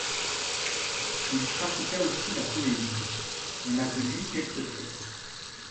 Il pratiqua aussi la poésie, on a de lui quelques pièces.